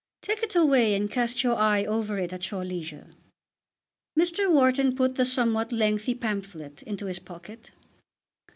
Take it away and cast your eye over it at your leisure." Mr. Wharton put the somewhat lengthy pamphlet into his pocket.